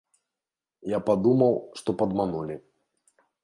Я падумаў, што падманулі.